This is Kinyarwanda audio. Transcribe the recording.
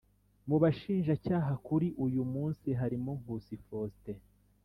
Mu bashinjacyaha kuri uyu munsi harimo Nkusi Faustin